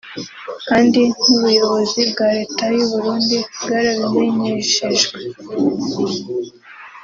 kandi n’ubuyobozi bwa Leta y’u Burundi bwarabimenyeshejwe